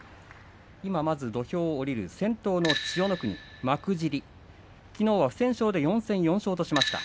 今まず土俵を下りる先頭の千代の国幕尻、きのう不戦勝で４戦４勝としました。